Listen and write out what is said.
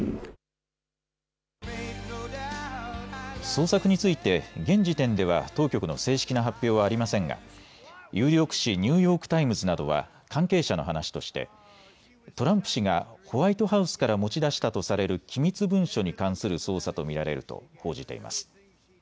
捜索について現時点では当局の正式な発表はありませんが有力紙、ニューヨーク・タイムズなどは関係者の話としてトランプ氏がホワイトハウスから持ち出したとされる機密文書に関する捜査と見られると報じています。